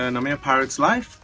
namanya pirates life